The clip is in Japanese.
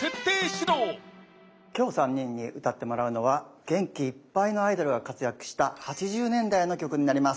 今日３人に歌ってもらうのは元気いっぱいのアイドルが活躍した８０年代の曲になります。